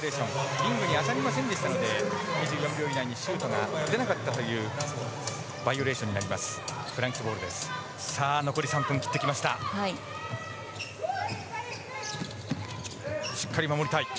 リングに当たりませんでしたので２４秒以内にシュートが打てなかったフランスバイオレーションになります。